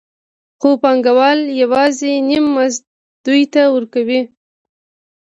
خو پانګوال یوازې نیم مزد دوی ته ورکوي